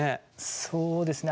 そうですね